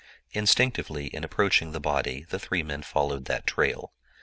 Instinctively in approaching the body the three men followed that trail.